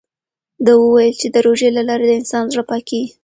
ده وویل چې د روژې له لارې د انسان زړه پاکېږي.